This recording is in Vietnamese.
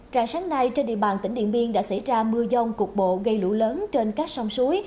trạng sáng nay trên địa bàn tỉnh điện biên đã xảy ra mưa dông cục bộ gây lũ lớn trên các sông suối